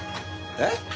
えっ！？